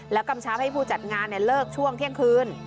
กำชับให้ผู้จัดงานเลิกช่วงเที่ยงคืน